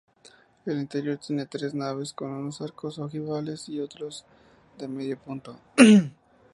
El interior tiene tres naves con unos arcos ojivales y otros de medio punto.